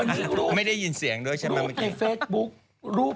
จากธนาคารกรุงเทพฯ